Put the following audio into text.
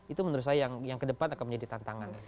itu menurut saya yang ke depan akan menjadi tantangan